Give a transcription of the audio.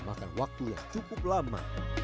makan waktu yang cukup lama